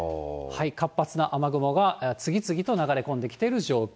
活発な雨雲が次々と流れ込んできている状況。